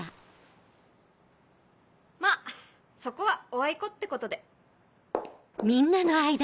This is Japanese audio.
まぁそこはおあいこってことで。